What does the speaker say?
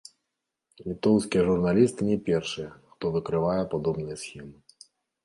Літоўскія журналісты не першыя, хто выкрывае падобныя схемы.